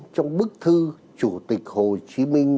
trong bức thư chủ tịch hồ chí minh